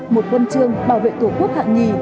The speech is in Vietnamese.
một huân trương bảo vệ tổ quốc hạng hai